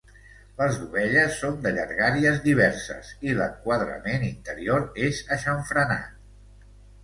Les dovelles són de llargàries diverses, i l'enquadrament interior és aixamfranat.